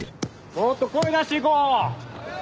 もっと声出していこう！